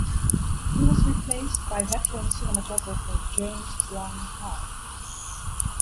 He was replaced by veteran cinematographer, James Wong Howe.